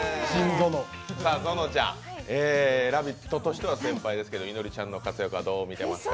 ゾノちゃん、「ラヴィット！」としては先輩ですけど、いのりちゃんの活躍はどう見てますか？